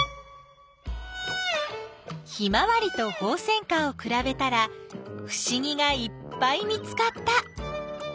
ヒマワリとホウセンカをくらべたらふしぎがいっぱい見つかった。